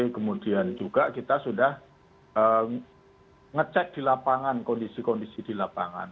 kemudian juga kita sudah ngecek di lapangan kondisi kondisi di lapangan